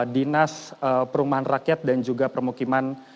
dinas perumahan rakyat dan juga permukiman